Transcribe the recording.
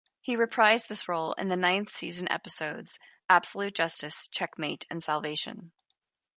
He reprised this role in the ninth-season episodes "Absolute Justice", "Checkmate", and "Salvation".